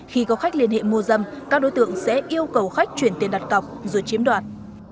khi có khách liên hệ mua dâm các đối tượng sẽ yêu cầu khách chuyển tiền đặt cọc rồi chiếm đoạt